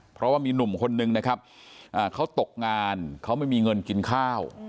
เพราะว่ามีหนุ่มคนนึงนะครับเขาตกงานเขาไม่มีเงินกินข้าว